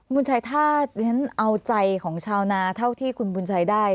บุญชัยถ้าฉันเอาใจของชาวนาเท่าที่คุณบุญชัยได้